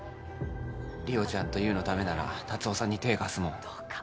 梨央ちゃんと優のためなら達雄さんに手え貸すもん